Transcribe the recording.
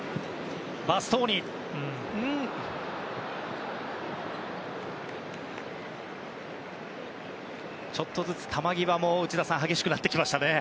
内田さん、ちょっとずつ球際も激しくなってきましたね。